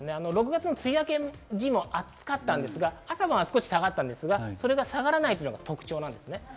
６月、梅雨明け時も暑かったんですが、朝晩は少し下がったんですが、それが下がらないのが特徴です。